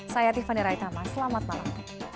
saya tiffany raitama selamat malam